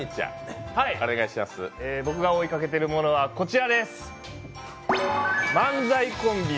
僕が追いかけているものはこちらです。